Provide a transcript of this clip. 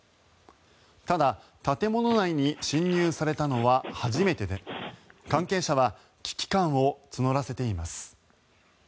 ただ、建物内に侵入されたのは初めてで関係者は危機感を募らせています。